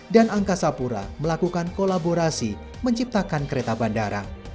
dan angkasa pura melakukan kolaborasi menciptakan kereta bandara